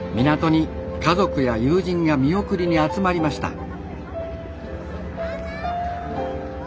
港に家族や友人が見送りに集まりました。